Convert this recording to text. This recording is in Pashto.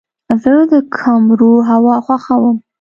زه د کمرو هوا خوښوم.